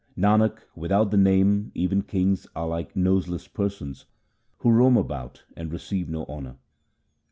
1 Nanak, without the Name even kings are like noseless persons who roam about and receive no honour.